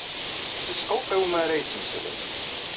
Yesqewqiw mi ara yettmeslay.